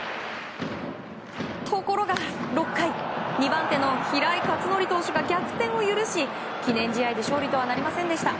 ところが６回２番手の平井克典投手が逆転を許し記念試合で勝利とはなりませんでした。